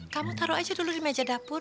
kamu taruh aja dulu di meja dapur